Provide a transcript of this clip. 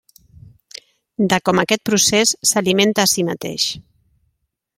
De com aquest procés s'alimenta a si mateix.